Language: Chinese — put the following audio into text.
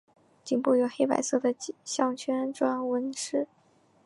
颈部有黑白色的项圈状纹饰。